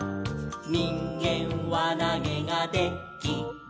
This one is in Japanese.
「にんげんわなげがで・き・る」